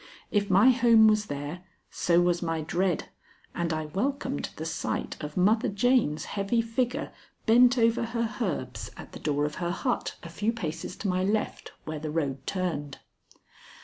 If my home was there, so was my dread, and I welcomed the sight of Mother Jane's heavy figure bent over her herbs at the door of her hut, a few paces to my left, where the road turned.